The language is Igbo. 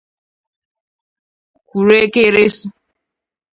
kwụrụ ekeresu.